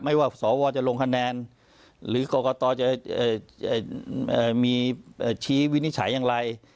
ไม่ว่าสวจะลงคะแนนหรือกรกตรจะเอ่อเอ่อมีเอ่อชี้วินิจฉัยอย่างไร